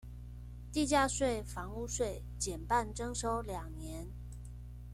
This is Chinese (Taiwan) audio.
地價稅、房屋稅減半徵收兩年